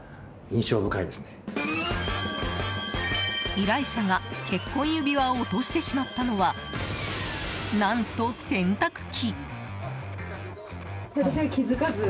依頼者が結婚指輪を落としてしまったのは何と洗濯機。